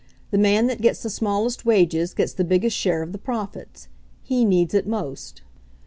The man that gets the smallest wages gets the biggest share of the profits. He needs it most."